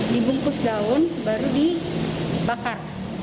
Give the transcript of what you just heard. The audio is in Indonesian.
dibungkus daun baru dibakar